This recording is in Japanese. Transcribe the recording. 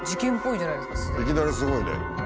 いきなりすごいね。